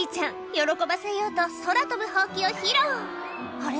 喜ばせようと空飛ぶほうきを披露あれ？